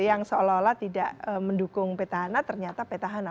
yang seolah olah tidak mendukung petahana ternyata petahana